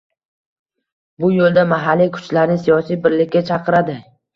bu yo'lda mahalliy kuchlarni siyosiy birlikka chaqiradi.